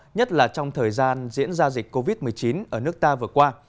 nhất là trong thời gian diễn ra dịch covid một mươi chín ở nước ta vừa qua